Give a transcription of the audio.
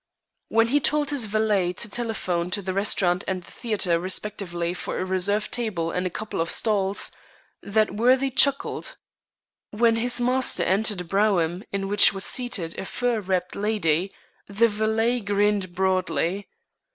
When he told his valet to telephone to the restaurant and the theatre respectively for a reserved table and a couple of stalls, that worthy chuckled. When his master entered a brougham in which was seated a fur wrapped lady, the valet grinned broadly.